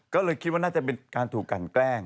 ก็เลยคิดว่าน่าจะเป็นการถูกกันแกล้ง